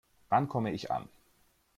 Wann komme ich an?